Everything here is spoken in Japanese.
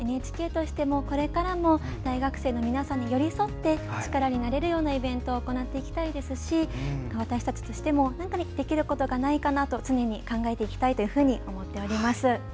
ＮＨＫとしてもこれからも大学生の皆さんに寄り添って力になれるようなイベントを行っていきたいですし私たちとしてもできることがないかなと常に考えていきたいと思っております。